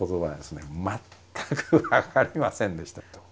全く分かりませんでした。